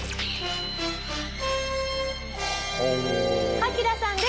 カキダさんです。